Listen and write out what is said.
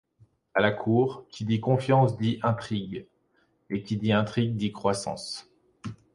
À la cour, qui dit confiance dit intrigue, et qui dit intrigue dit croissance.